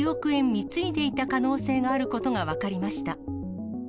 貢いでいた可能性があることが分かりました。